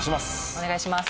お願いします。